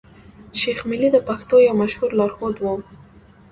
شېخ ملي د پښتنو يو مشهور لار ښود وو.